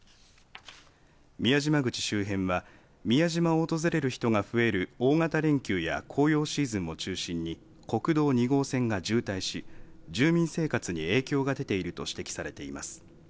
宮島口周辺は宮島を訪れる人が増える大型連休や紅葉シーズンを中心に国道２号線が渋滞し住民生活に影響が出ていると指摘されています。